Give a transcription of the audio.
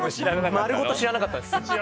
丸ごと知らなかったです。